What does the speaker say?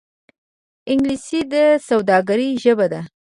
انګلیسي د سوداګرۍ ژبه ده